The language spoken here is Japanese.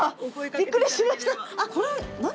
びっくりしましたこれ。